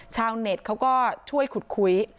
ชาวเน็ตเขาก็ช่วยขุดคุย